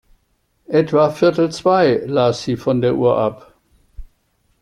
Etwa viertel zwei las sie von der Uhr ab.